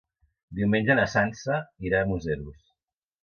Diumenge na Sança irà a Museros.